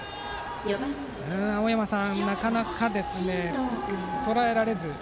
青山さん、なかなかとらえられず。